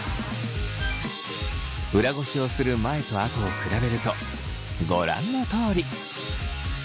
裏ごしをする前と後を比べるとご覧のとおり。